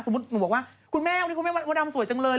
สมมุติหนูบอกว่าคุณแม่อันนี้คุณแม่ว่าดำสวยจังเลย